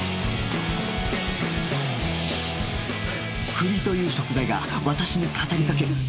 栗という食材が私に語りかける